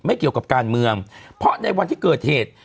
เกี่ยวกับการเมืองเพราะในวันที่เกิดเหตุ